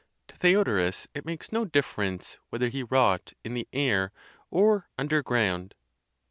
"To Theodorus it makes no difference whether he rot in the air or underground."